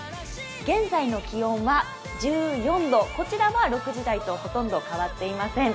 現在の気温は１４度、こちらは６時台とほとんど変わっていません。